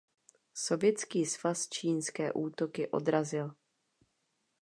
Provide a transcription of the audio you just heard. Sovětský svaz čínské útoky odrazil.